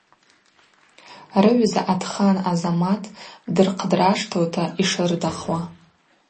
Рыгӏвза Атхан Азамат дырхъдраштылта йшырдахуа.